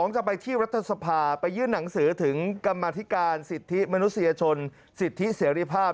จะไปที่รัฐสภาไปยื่นหนังสือถึงกรรมธิการสิทธิมนุษยชนสิทธิเสรีภาพ